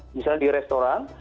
misalnya di restoran